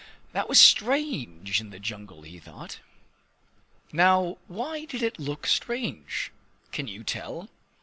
That was strange in the jungle, he thought! Now, why did it look strange? Can you tell?